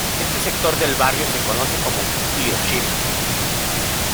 Este sector del barrio se conoce como "Hiroshima".